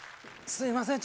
すんません